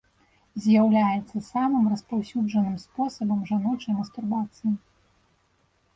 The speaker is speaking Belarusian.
З'яўляецца самым распаўсюджаным спосабам жаночай мастурбацыі.